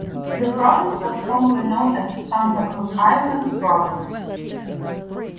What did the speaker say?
The province was formerly known as Santa Cruz Islands Province.